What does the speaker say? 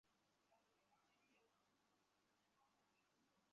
শান্তা খাতুন যশোর সরকারি সিটি কলেজের বাংলা বিভাগের প্রথম বর্ষের ছাত্রী।